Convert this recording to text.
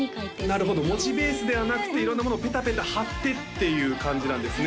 なるほど文字ベースではなくて色んなものをペタペタ貼ってっていう感じなんですね